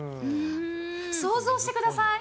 想像してください。